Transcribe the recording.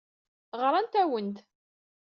Ɣrant-awen-d.